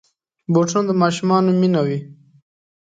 بوټونه د ماشومانو مینه وي.